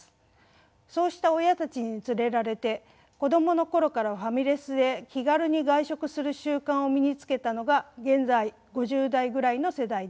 そうした親たちに連れられて子どもの頃からファミレスで気軽に外食する習慣を身につけたのが現在５０代ぐらいの世代です。